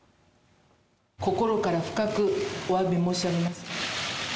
心から深くおわびを申し上げます。